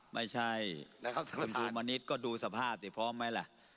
ไม่ใช่คุณครูมณิษฐ์ก็ดูสภาพสิพร้อมไหมล่ะ